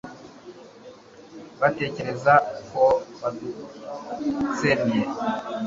batekereza ko badutsembye